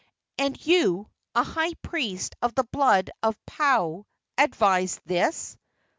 "And you, a high priest of the blood of Paao, advise this!"